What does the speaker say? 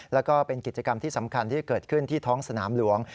แล้วก็เป็นกิจกรรมที่สำคัญที่เกิดขึ้นที่ท้องสนามหลวง